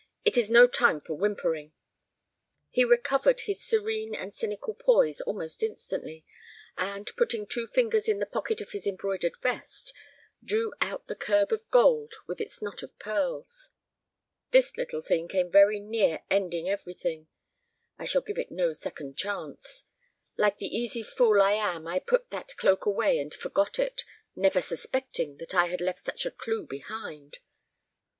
It is no time for whimpering." He recovered his serene and cynical poise almost instantly, and, putting two fingers in the pocket of his embroidered vest, drew out the curb of gold with its knot of pearls. "This little thing came very near ending everything. I shall give it no second chance. Like the easy fool I am I put that cloak away and forgot it, never suspecting that it had left such a clew behind.